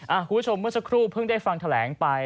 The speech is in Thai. คุณผู้ชมเมื่อสักครู่เพิ่งได้ฟังแถลงไป